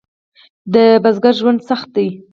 د بزګر ژوند سخت دی؟